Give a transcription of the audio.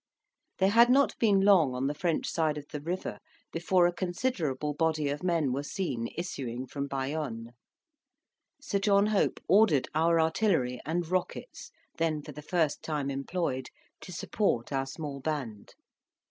They had not been long on the French side of the river before a considerable body of men were seen issuing from Bayonne. Sir John Hope ordered our artillery, and rockets, then for the first time employed, to support our small band.